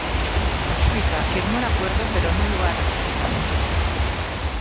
Suiza firmó el acuerdo pero no lo ha ratificado.